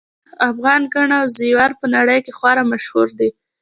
افغان ګاڼه او زیور په نړۍ کې خورا مشهور دي